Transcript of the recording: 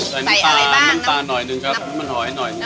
ใส่น้ำตาน้ำตาหน่อยนึงครับน้ำมันหอยหน่อยนึงครับ